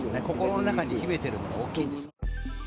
心の中に秘めてるもの大きいんですよ。